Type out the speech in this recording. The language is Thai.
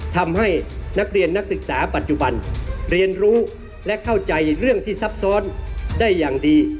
ทำให้นักเรียนนักศึกษาปัจจุบันเรียนรู้และเข้าใจเรื่องที่ซับซ้อนได้อย่างดี